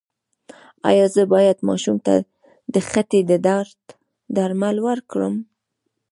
ایا زه باید ماشوم ته د خېټې د درد درمل ورکړم؟